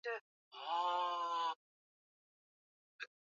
kosa si miguu bali walijua soka linaitaji nini na kwa wakati gani